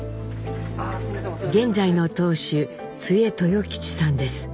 現在の当主津江豊吉さんです。